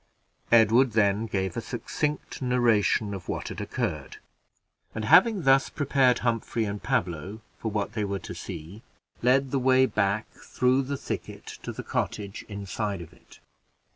Edward then gave a succinct narration of what had occurred, and, having thus prepared Humphrey and Pablo for what they were to see, led the way back through the thicket to the cottage inside of it.